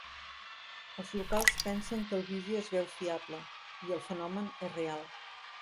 Els locals pensen que el vídeo es veu fiable, i el fenomen és real.